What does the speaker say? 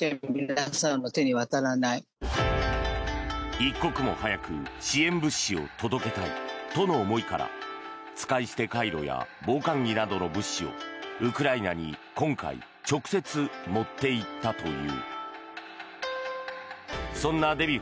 一刻も早く支援物資を届けたいとの思いから使い捨てカイロや防寒着などの物資をウクライナに今回、直接持っていったという。